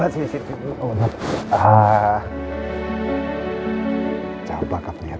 tidak apa apa kamu lihat